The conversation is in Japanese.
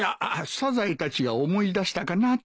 サザエたちが思い出したかなと。